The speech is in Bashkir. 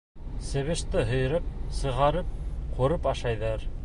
Себеште һөйрәп сығарып, ҡурып ашайҙар.